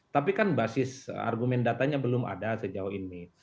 tapi kan basis argumen datanya belum ada sejauh ini